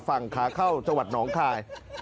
ฝั่งขาเข้าจังหวัดหนองคาย